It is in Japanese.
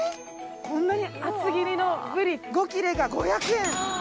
こんなに厚切りのぶり５切れが５００円。